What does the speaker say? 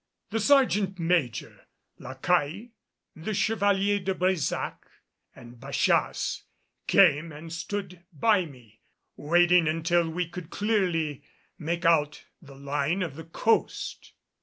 The sergeant major, La Caille, the Chevalier de Brésac, and Bachasse came and stood by me, waiting until we could clearly make out the line of the coast.